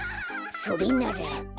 それなら。